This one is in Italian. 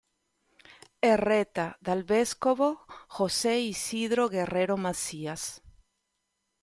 È retta dal vescovo José Isidro Guerrero Macías.